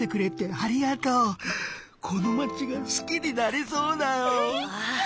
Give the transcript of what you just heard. このまちがすきになれそうだよ。